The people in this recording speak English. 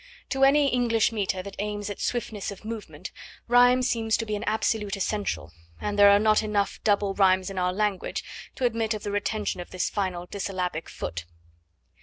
To any English metre that aims at swiftness of movement rhyme seems to be an absolute essential, and there are not enough double rhymes in our language to admit of the retention of this final dissyllabic foot.